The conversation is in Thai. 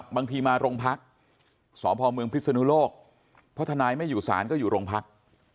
บางทีมาโรงพักษ์สพมพิศนโลกพ่อทนายไม่อยู่สารก็อยู่โรงพักษ์